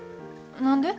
何で？